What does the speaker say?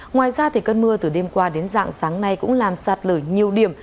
ngoài ra cơn mưa từ đêm qua đến dạng sáng nay cũng làm sạt lở nhiều điểm